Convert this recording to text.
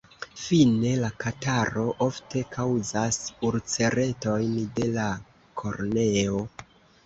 Fine la kataro ofte kaŭzas ulceretojn de la korneo.